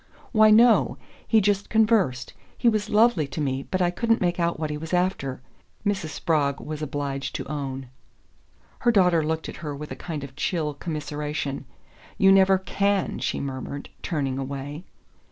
"Why, no he just conversed. He was lovely to me, but I couldn't make out what he was after," Mrs. Spragg was obliged to own. Her daughter looked at her with a kind of chill commiseration. "You never CAN," she murmured, turning away.